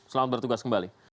selamat bertugas kembali